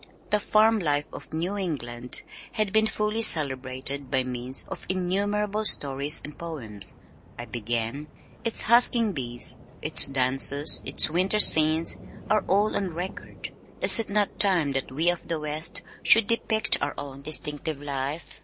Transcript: "The Farm Life of New England has been fully celebrated by means of innumerable stories and poems," I began, "its husking bees, its dances, its winter scenes are all on record; is it not time that we of the west should depict our own distinctive life?